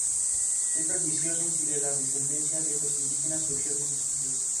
De estas misiones y de la descendencia de los indígenas surgió el municipio.